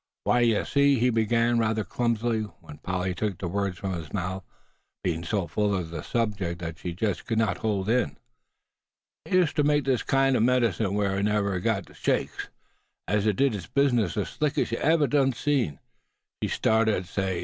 "W'y, yuh see," he began, rather clumsily; when Polly took the words from his mouth, being so full of the subject that she just could not hold in. "He used ter make up a kind o' medicine w'enever we gut ther shakes, an' it did the bizness the slickest yuh ever did see, suh," she started to say.